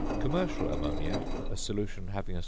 (Commercial ammonia, a solution having a sp.